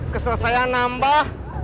kesel saya nambah